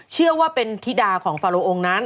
เชื่อว่าเป็นธิดาของฟาโลองค์นั้น